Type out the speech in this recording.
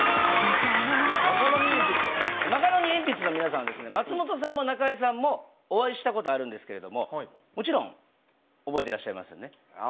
マカロニえんぴつの皆さんは松本さんも中居さんもお会いしたことあるんですけれどももちろん覚えてらっしゃいますよね。